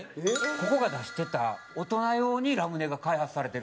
ここが出してた大人用にラムネが開発されてるんです。